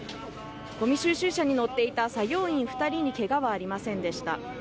ごみ収集車に乗っていた作業員２人に、けがはありませんでした。